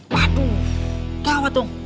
waduh gawat dong